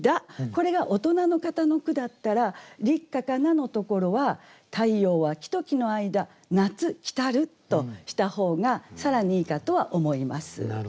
これが大人の方の句だったら「立夏かな」のところは「太陽は木と木の間夏来る」とした方が更にいいかとは思います。